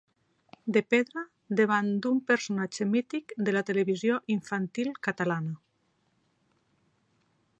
De pedra davant d'un personatge mític de la televisió infantil catalana.